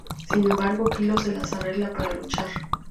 Sin embargo, Kilo se las arregla para luchar.